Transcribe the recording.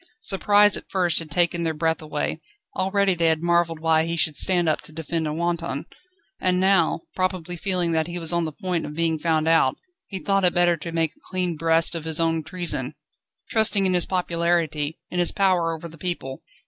Surprise at first had taken their breath away. Already they had marvelled why he should stand up to defend a wanton. And now, probably feeling that he was on the point of being found out, he thought it better to make a clean breast of his own treason, trusting in his popularity, in his power over the people.